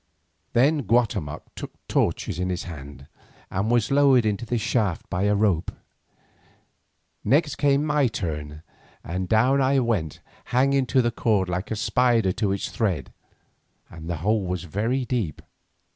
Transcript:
Then Guatemoc took torches in his hand, and was lowered into the shaft by a rope. Next came my turn, and down I went, hanging to the cord like a spider to its thread, and the hole was very deep.